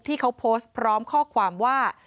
ที่เขาโพสต์พร้อมข้อความว่า